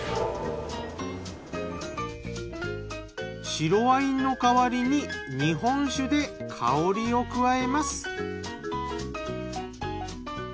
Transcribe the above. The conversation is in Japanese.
白ワインの代わりに日本酒で香りを加えます。